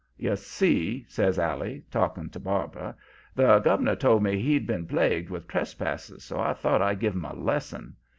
"'You see,' says Allie, talking to Barbara; 'the gov'nor told me he'd been plagued with trespassers, so I thought I'd give 'em a lesson.